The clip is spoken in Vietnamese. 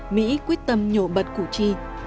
mỹ quyết tâm nhổ bật cù chi